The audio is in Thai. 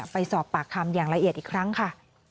ไปสอบปากคำอย่างละเอียดอีกครั้งค่ะ